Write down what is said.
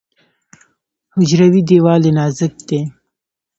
حجروي دیوال یې نازک دی.